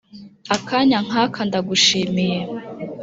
akanya nkaka ndagushimiye.